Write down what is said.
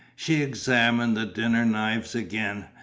She examined the dinner knives again.